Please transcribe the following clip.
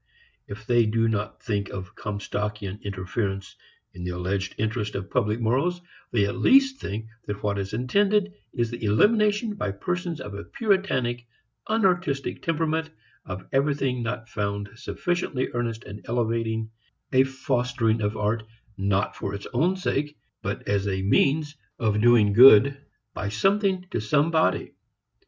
If they do not think of Comstockian interference in the alleged interest of public morals, they at least think that what is intended is the elimination by persons of a Puritanic, unartistic temperament of everything not found sufficiently earnest and elevating, a fostering of art not for its own sake but as a means of doing good by something to somebody.